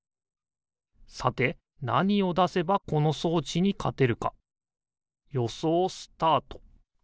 さてなにをだせばこのそうちにかてるかよそうスタート！